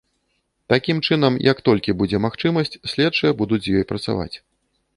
Такім чынам, як толькі будзе магчымасць, следчыя будуць з ёй працаваць.